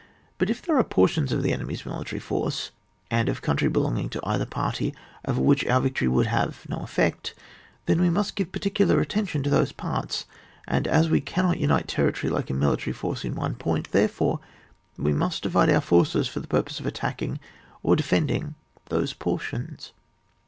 But if there are portions of the enemy's military force, and of coun try belonging to eiliier party, over which our victory would have no effect, then we must give particular attention to those parts ; and as we cannot imite ter ritory like a military force in one point, therefore we must divide our forces for the purpose of attacking or defending those portions.